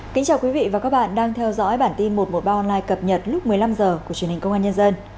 kính chào quý vị và các bạn đang theo dõi bản tin một trăm một mươi ba online cập nhật lúc một mươi năm h của truyền hình công an nhân dân